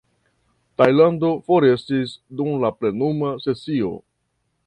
Tajlando forestis dum la plenuma sesio.